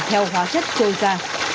theo hóa chất trôi ra